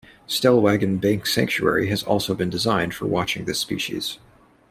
Stellwagen Bank Sanctuary has also been designed for watching this species.